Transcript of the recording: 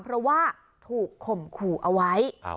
เพราะว่าถูกข่มขู่เอาไว้